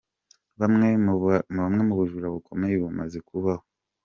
Bumwe mu bujura bukomeye bumaze kubaho .